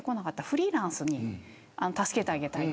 フリーランスを助けてあげたい。